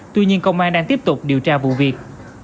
tuy nhiên công an đang tiếp tục điều tra vụ việc